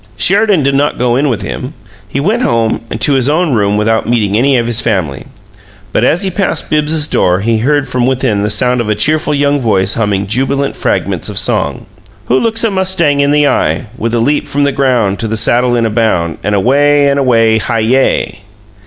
Sheridan did not go in with him; he went home, and to his own room without meeting any of his family. But as he passed Bibbs's door he heard from within the sound of a cheerful young voice humming jubilant fragments of song: WHO looks a mustang in the eye?... With a leap from the ground To the saddle in a bound. And away and away! Hi yay!